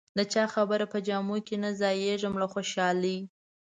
د چا خبره په جامو کې نه ځایېږم له خوشالۍ.